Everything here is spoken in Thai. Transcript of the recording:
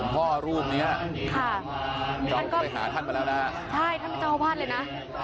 ท่านไปหาท่านไปแล้วนะฮะ